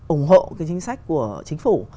ủng hộ cái chính sách của chính phủ